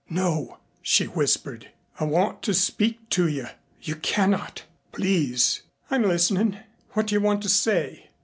"No," she whispered. "I want to speak to you." "You cannot." "Please." "I'm listening. What do you want to say?"